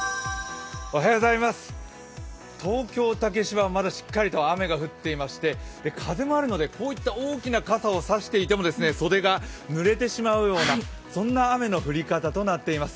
東京・竹芝はまだしっかりと雨が降っていまして風もあるので、大きな傘を差していても袖がぬれてしまうような雨の降り方となっています。